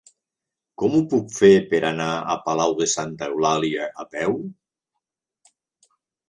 Com ho puc fer per anar a Palau de Santa Eulàlia a peu?